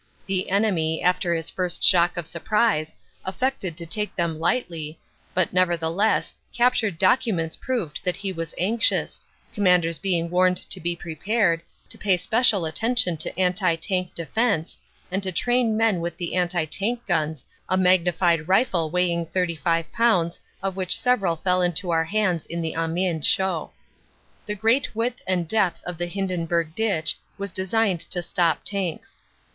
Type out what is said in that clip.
The enemy, after his first shock of surprise, affected to take them lightly, but nevertheless captured documents proved that he was anxious, commanders being warned to be prepared, to pay spe cial attention to anti tank defense, and to train men with the anti tank guns a magnified rifle weighing thirty five pounds of which several fell into our hands in the Amiens show. The great width and depth of the Hindenburg ditch was design ed to stop tanks.